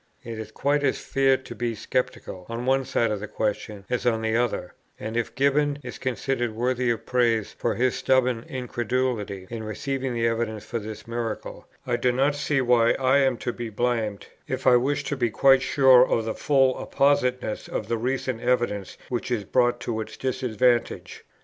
It is quite as fair to be sceptical on one side of the question as on the other; and if Gibbon is considered worthy of praise for his stubborn incredulity in receiving the evidence for this miracle, I do not see why I am to be blamed, if I wish to be quite sure of the full appositeness of the recent evidence which is brought to its disadvantage.